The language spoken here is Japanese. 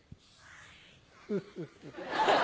フフフ。